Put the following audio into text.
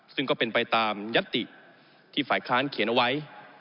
ซึ่งก็เป็นไปตามยัตติที่ฝ่ายค้านเขียนเอาไว้